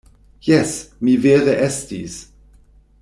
Jes, mi vere estis.